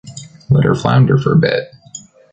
Let her flounder for a bit.